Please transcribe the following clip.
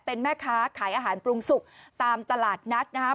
เป็นแม่ค้าขายอาหารปรุงสุกตามตลาดนัดนะคะ